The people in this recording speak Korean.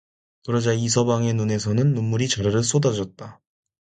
그러자 이서방의 눈에서는 눈물이 좌르르 쏟아졌다.